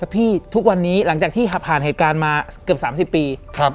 ทุกวันนี้หลังจากที่ผ่านเหตุการณ์มาเกือบ๓๐ปี